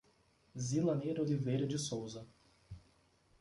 Zilanir Oliveira de Souza